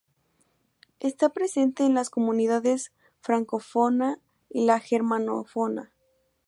Está presente en las Comunidades francófona y la germanófona.